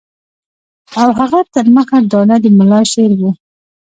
او هغه تر مخه دانه د ملا شعر وو.